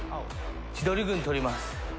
千鳥軍、取ります。